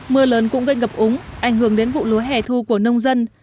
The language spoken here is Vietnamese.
mưa lớn cũng gây ngập úng ảnh hưởng đến vụ lúa hẻ thu của nông dân